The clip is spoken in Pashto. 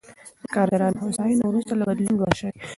د کارګرانو هوساینه وروسته له بدلون لوړ شوې.